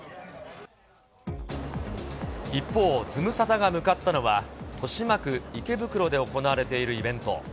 一方、ズムサタが向かったのは、豊島区池袋で行われているイベント。